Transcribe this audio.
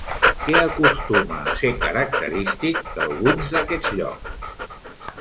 Què acostuma a ser característic d'alguns d'aquests llocs?